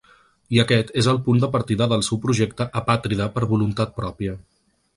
I aquest és el punt de partida del seu projecte Apàtrida per voluntat pròpia.